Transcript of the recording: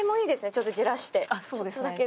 ちょっとじらしてちょっとだけで。